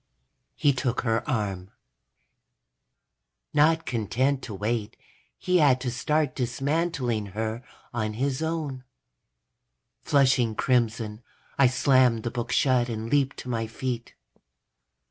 ... he took her arm. Not content to wait, he had to start dismantling her on his own. Flushing crimson, I slammed the book shut and leaped to my feet.